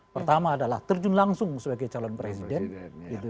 pertama adalah terjun langsung sebagai calon presiden gitu